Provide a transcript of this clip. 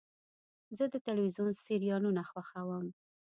زه د تلویزیون سریالونه خوښوم.